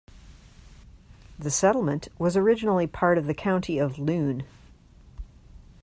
The settlement was originally part of the County of Loon.